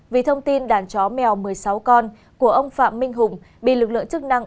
vì thông tin đàn chó mèo một mươi sáu con của ông phạm minh hùng bị lực lượng chức năng